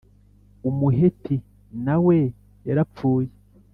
Umuheti na we yarapfuye